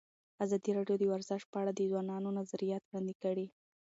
ازادي راډیو د ورزش په اړه د ځوانانو نظریات وړاندې کړي.